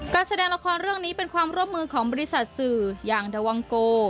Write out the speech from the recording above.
การแสดงละครเรื่องนี้เป็นความร่วมมือของบริษัทสื่ออย่างดาวังโก